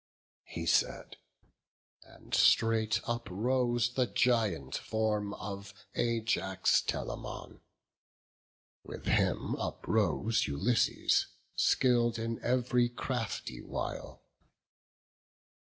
He said; and straight uprose the giant form Of Ajax Telamon; with him uprose Ulysses, skill'd in ev'ry crafty wile.